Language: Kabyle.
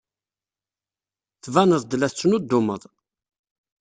Tbaneḍ-d la tettnuddumeḍ.